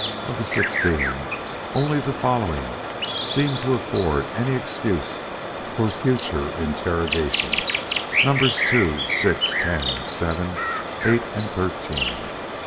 Of the sixteen, only the following seemed to afford any excuse for future interrogation: Numbers Two, Six, Ten, Seven, Eight and Thirteen.